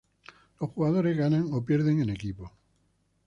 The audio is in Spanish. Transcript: Los jugadores ganan o pierden en equipo.